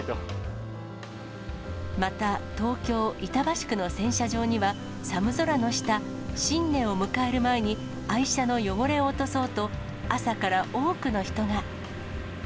また、東京・板橋区の洗車場には、寒空の下、新年を迎える前に、愛車の汚れを落とそうと、朝から多くの人が。